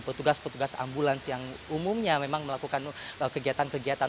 petugas petugas ambulans yang umumnya memang melakukan kegiatan kegiatan